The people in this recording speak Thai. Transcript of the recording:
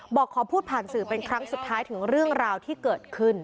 บอกขอพูดผ่านสื่อเป็นครั้งสุดท้ายถึงเรื่องราวที่เกิดขึ้น